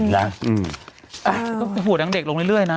หัวหนังเด็กลงเรื่อยนะ